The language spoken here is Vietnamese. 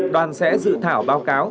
đoàn sẽ dự thảo báo cáo